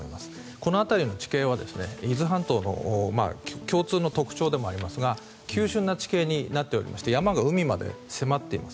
この辺りの地形は、伊豆半島の共通の特徴でもありますが急峻な地形になっていまして山が海まで迫っています。